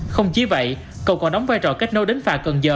không chỉ vậy cầu còn đóng vai trò kết nối đến phà cần giờ